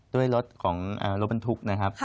ด้วยรถของรถบันทุกข์